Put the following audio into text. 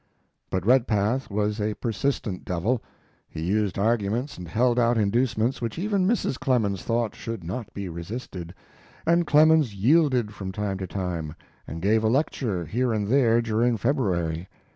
But Redpath was a persistent devil. He used arguments and held out inducements which even Mrs. Clemens thought should not be resisted, and Clemens yielded from time to time, and gave a lecture here and there during February.